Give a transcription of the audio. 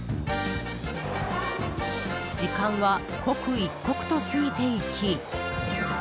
時間は刻一刻と過ぎていき。